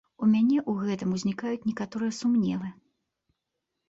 У мяне у гэтым узнікаюць некаторыя сумневы.